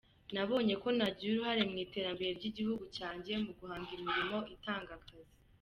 Nabonye ko nagira uruhare mu iterambere ry’igihugu cyanjye mu guhanga imirimo itanga akazi.